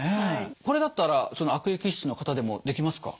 これだったらその悪液質の方でもできますか？